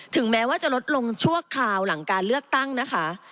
แม้ว่าจะลดลงชั่วคราวหลังการเลือกตั้งนะคะ